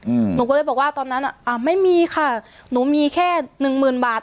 อืมหนูก็เลยบอกว่าตอนนั้นอ่ะอ่าไม่มีค่ะหนูมีแค่หนึ่งหมื่นบาท